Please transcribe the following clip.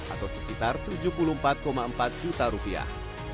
atau sekitar tujuh puluh empat empat juta rupiah